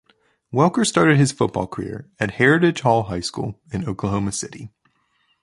Welker started his football career at Heritage Hall High School in Oklahoma City.